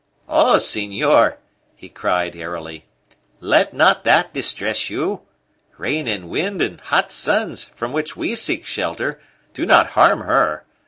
"O senor," he cried airily, "let not that distress you! Rain and wind and hot suns, from which we seek shelter, do not harm her.